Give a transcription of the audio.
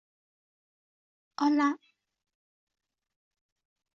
Caulfield más tarde regresó a su estilo de pintura precedente, más desmontado.